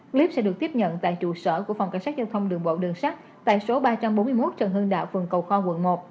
clip sẽ được tiếp nhận tại trụ sở của phòng cảnh sát giao thông đường bộ đường sắt tại số ba trăm bốn mươi một trần hưng đạo phường cầu kho quận một